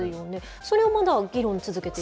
それをまだ、議論を続けている？